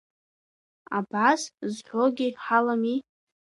Абас зҳәогьы ҳалами.